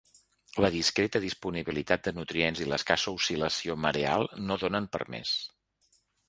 La discreta disponibilitat de nutrients i l’escassa oscil·lació mareal no donen per més.